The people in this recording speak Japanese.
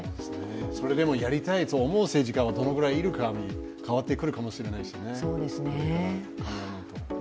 それでもやりたいと思う政治家がどれくらいいるかに変わってくるかもしれないですね。